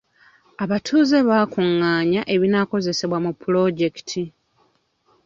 Abatuuze baakungaanya ebinaakozesebwa ku pulojekiti.